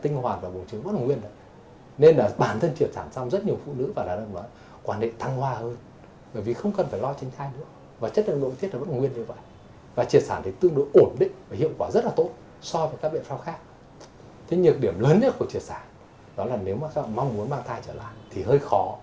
nhược điểm lớn nhất của chia sản là nếu các bạn mong muốn mang thai trở lại thì hơi khó